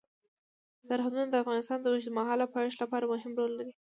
سرحدونه د افغانستان د اوږدمهاله پایښت لپاره مهم رول لري.